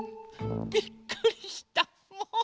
びっくりしたもう。